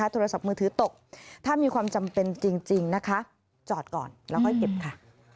โทรศัพท์มือถือตกถ้ามีความจำเป็นจริงนะคะจอดก่อนแล้วค่อยเก็บค่ะ